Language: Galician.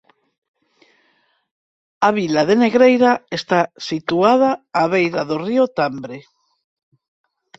A vila de Negreira está situada á beira do río Tambre.